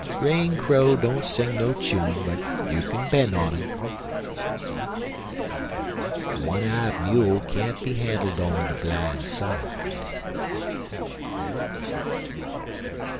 Rain crow don't sing no chune, but you k'n 'pen' on 'im. One eyed mule can't be handled on de bline side.